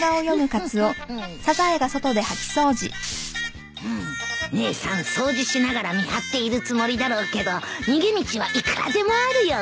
クフフ姉さん掃除しながら見張っているつもりだろうけど逃げ道はいくらでもあるよ